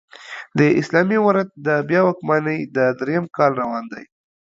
د اسلامي امارت د بيا واکمنۍ دا درېيم کال روان دی